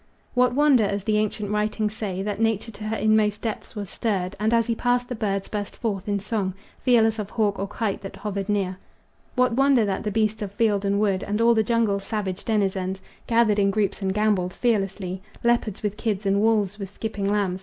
What wonder, as the ancient writings say, That nature to her inmost depths was stirred, And as he passed the birds burst forth in song, Fearless of hawk or kite that hovered near? What wonder that the beasts of field and wood, And all the jungle's savage denizens, Gathered in groups and gamboled fearlessly, Leopards with kids and wolves with skipping lambs?